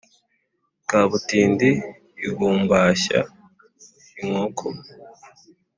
Kabutindi igumbashya inkoko.